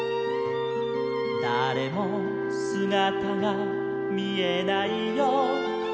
「だれもすがたがみえないよ」